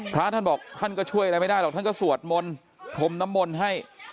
พระท่านบอกท่านก็ช่วยอะไรไม่ได้หรอกท่านก็สวดมนต์พรมน้ำมนต์ให้